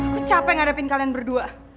gue capek ngadepin kalian berdua